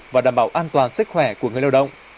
và đảm bảo an toàn sức khỏe của người lao động